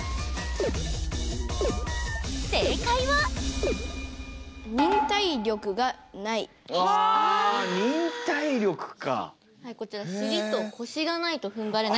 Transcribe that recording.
正解はわあ忍耐力か。